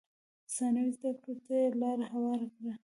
ثانوي زده کړو ته یې لار هواره کړه.